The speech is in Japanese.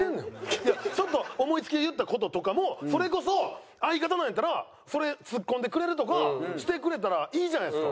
いやちょっと思い付きで言った事とかもそれこそ相方なんやったらそれツッコんでくれるとかしてくれたらいいじゃないですか。